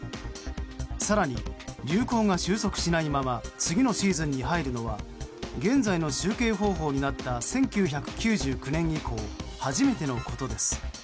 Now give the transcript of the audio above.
更に、流行が収束しないまま次のシーズンに入るのは現在の集計方法になった１９９９年以降初めてのことです。